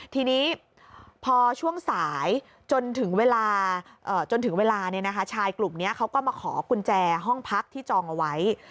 ทีนี้พอช่วงสายจนถึงเวลาจนถึงเวลาชายกลุ่มนี้เขาก็มาขอกุญแจห้องพักที่จองเอาไว้